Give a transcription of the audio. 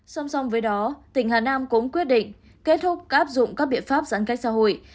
song song với đó tỉnh hà nam cũng quyết định kết thúc áp dụng các biện pháp giãn cách xã hội